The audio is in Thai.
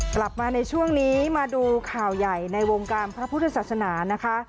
กลับมาในช่วงนี้มาดูข่าวใหญ่ในวงการพระพุทธศาสนานะคะ